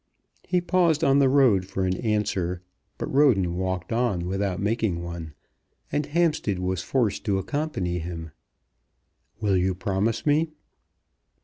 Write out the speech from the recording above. He paused on the road for an answer, but Roden walked on without making one, and Hampstead was forced to accompany him. "Will you promise me?"